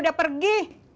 saya udah pergi